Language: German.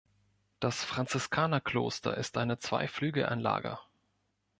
Das Franziskanerkloster ist eine Zweiflügelanlage.